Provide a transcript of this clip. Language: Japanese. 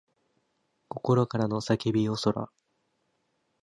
心からの叫びよそら